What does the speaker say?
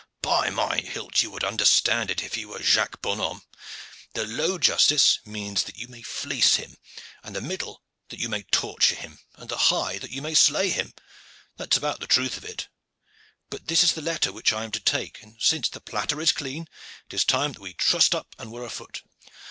"By my hilt! you would understand it if you were Jacques Bonhomme. The low justice means that you may fleece him, and the middle that you may torture him, and the high that you may slay him. That is about the truth of it. But this is the letter which I am to take; and since the platter is clean it is time that we trussed up and were afoot.